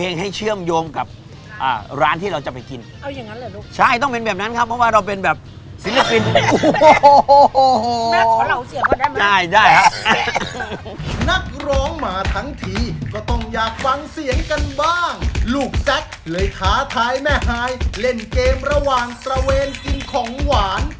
เนื้อสไลล์ลูกชิ้นผักสดและเส้นก๋วยเตี๋ยวลวกเองแซ็บ